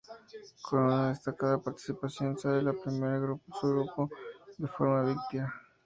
Con una destacada participación, sale primera de su grupo, de forma invicta.